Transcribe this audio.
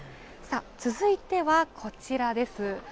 続いてはこちらです。